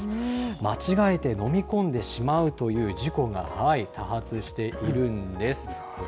間違えて飲み込んでしまうという事故が多発しているんです。